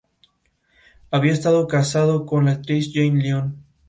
En el caso contrario, se llama desafortunado.